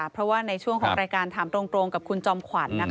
เพราะว่าในช่วงของรายการถามตรงกับคุณจอมขวัญ